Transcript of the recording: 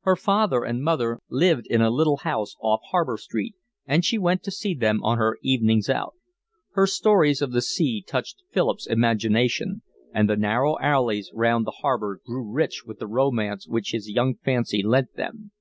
Her father and mother lived in a little house off Harbour Street, and she went to see them on her evenings out. Her stories of the sea touched Philip's imagination, and the narrow alleys round the harbour grew rich with the romance which his young fancy lent them.